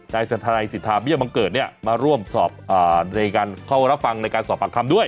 สันทนายสิทธาเบี้ยบังเกิดเนี่ยมาร่วมสอบในการเข้ารับฟังในการสอบปากคำด้วย